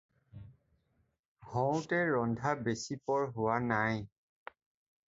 হওঁতে ৰন্ধা বেছি পৰ হোৱা নাই।